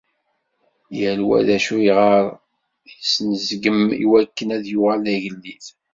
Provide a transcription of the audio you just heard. Yal wa d acu iɣer yesnezgem iwakken ad yuɣal d agellid.